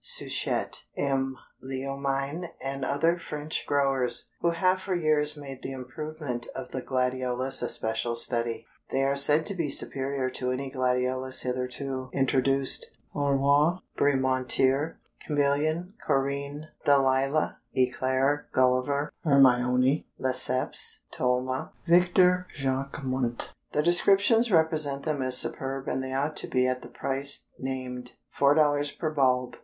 Souchet, M. Leomine and other French growers, who have for years made the improvement of the gladiolus a special study. They are said to be superior to any gladiolus hitherto introduced. Aurore, Bremontier, Chameleon, Corinne, Dalila, Eclair, Gulliver, Hermione, Lesseps, Tolma, Victor Jacquemont. The descriptions represent them as superb, and they ought to be at the price named, $4 per bulb!